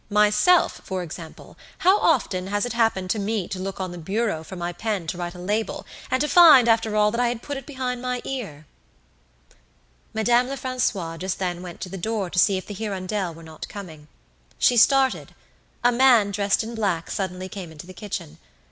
Myself, for example, how often has it happened to me to look on the bureau for my pen to write a label, and to find, after all, that I had put it behind my ear!" Madame Lefrancois just then went to the door to see if the "Hirondelle" were not coming. She started. A man dressed in black suddenly came into the kitchen.